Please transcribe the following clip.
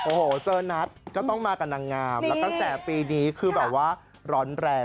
โอ้โหเจอนัทก็ต้องมากับนางงามแล้วกระแสปีนี้คือแบบว่าร้อนแรง